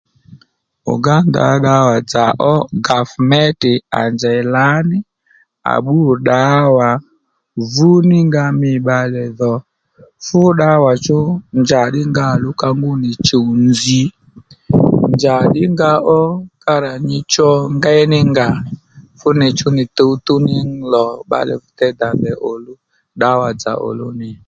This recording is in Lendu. Uganda ddǎwà-dzà ó Gavmete à njèy lǎní à bbû ddǎwà vúní nga mî bbalè dhò fú ddǎwà chú njàddí nga òluw ka ngúnì chùw nzǐ njàddí nga ó ka rà nyi cho ngéy ní ngǎ fúnì tǔwtǔw ní lò bbalè bì dey dà ndèy òluw ddǎwà dzà ò luw nì